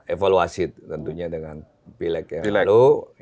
evaluasi tentunya dengan pileg yang lalu